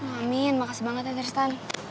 amin makasih banget ya terus tan